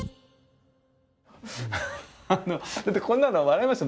こんなの笑いますよ